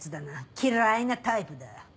嫌いなタイプだ。